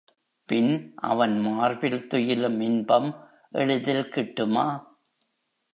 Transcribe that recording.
பின் அவன் மார்பில் துயிலும் இன்பம் எளிதில் கிட்டுமா?